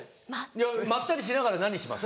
いやまったりしながら何します？